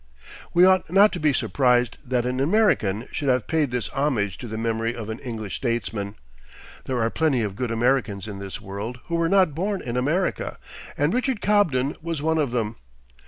We ought not to be surprised that an American should have paid this homage to the memory of an English statesman. There are plenty of good Americans in this world who were not born in America, and Richard Cobden was one of them.